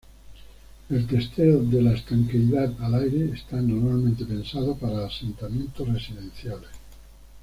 El testeo de la estanqueidad al aire está normalmente pensado para asentamientos residenciales.